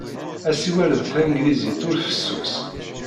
Assiwel n tanglizit ur fessus.